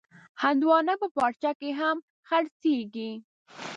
هندوانه په پارچه کې هم خرڅېږي.